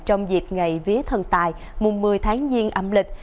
trong dịp ngày vía thần tài mùa mưa tháng nhiên âm lịch